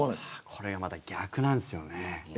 これがまた逆なんですよね。